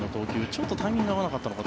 ちょっとタイミングが合わなかったのか